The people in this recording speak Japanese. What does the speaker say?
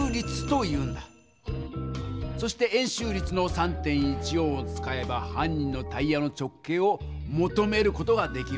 そして円周率の３．１４を使えば犯人のタイヤの直径をもとめる事ができるんだ。